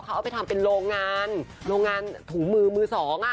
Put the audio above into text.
เขาเอาไปทำเป็นโรงงานโรงงานถุงมือมือสองอ่ะ